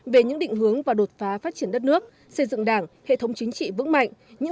về những định hướng và đột phá phát triển đất nước xây dựng đảng hệ thống chính trị vững mạnh